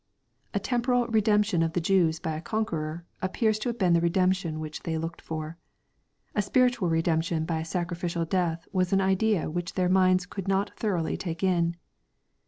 A tempo ral redemption of the Jews by a conqueror appears to have been the redemption which they looked for. A spiritual redemption by a sacrificial death was an idea which their minds could not thoroughly take in.